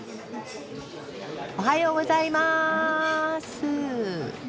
おはようございます。